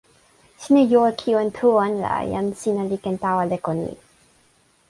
sina jo e kiwen tu wan la jan sina li ken tawa leko ni.